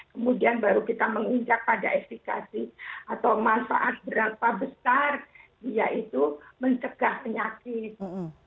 kemudian baru kita menginjak pada efekasi atau manfaat berapa besar yaitu mencegah penyakit